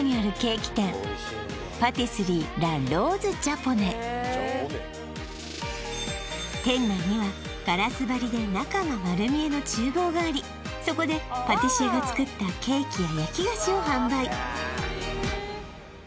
ここは店内にはガラス張りで中が丸見えの厨房がありそこでパティシエが作ったケーキや焼き菓子を販売